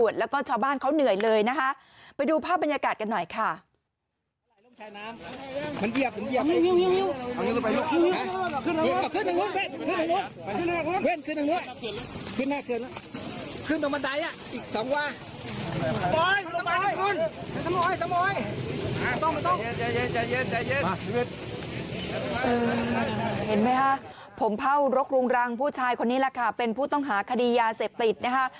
เห็นไหมคะผมเผ่ารกรุงรังผู้ชายคนนี้แหละค่ะเป็นผู้ต้องหาคดียาเสพติดนะคะ